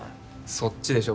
そっちでしょ？